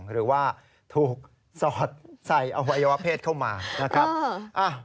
หรือว่าถูกสอดใส่อวัยวะเพศเข้ามานะครับ